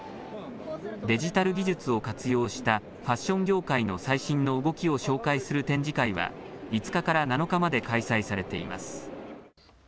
デジタル技術を活用したファッション業界の最新の動きを紹介する展示会は５日から７日まで開催されています。